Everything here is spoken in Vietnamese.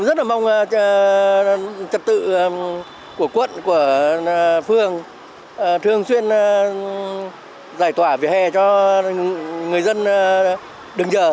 rất là mong trật tự của quận của phương thường xuyên giải tỏa vỉa hè cho người dân đừng chờ